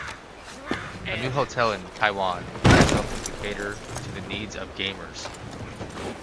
A new hotel in Taiwan has opened to cater to the needs of gamers.